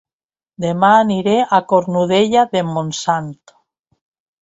Dema aniré a Cornudella de Montsant